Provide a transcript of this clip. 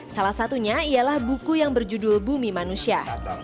salah satunya ialah buku yang berjudul bumi manusia